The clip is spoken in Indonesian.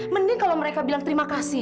mending kalau mereka bilang terima kasih